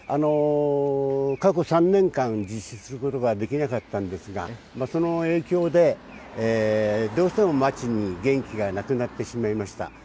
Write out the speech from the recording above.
過去３年間、実施することができなかったんですが、その影響で、どうしても町に元気がなくなってしまいました。